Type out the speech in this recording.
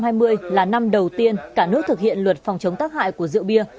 năm hai nghìn hai mươi là năm đầu tiên cả nước thực hiện luật phòng chống tác hại của rượu bia